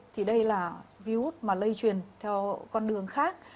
thì đây là virus mà lây truyền theo con đường khác